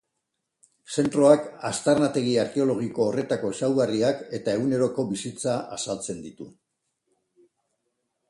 Zentroak aztarnategi arkeologiko horretako ezaugarriak eta eguneroko bizitza azaltzen ditu.